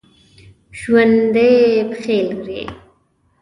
ژوندي پښې لري